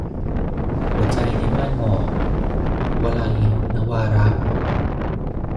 หัวใจในม่านหมอก - วลัย นวาระ